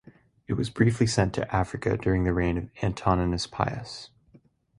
It was briefly sent to Africa during the reign of Antoninus Pius.